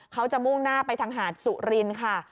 มุ่งหน้าไปทางหาดสุรินค่ะ